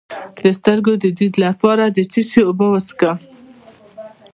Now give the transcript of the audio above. د سترګو د لید لپاره د څه شي اوبه وڅښم؟